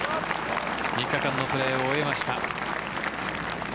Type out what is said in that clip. ３日間のプレーを終えました。